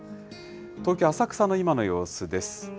東京・浅草の今の様子です。